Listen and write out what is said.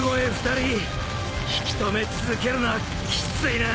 ２人引き留め続けるのはきついな。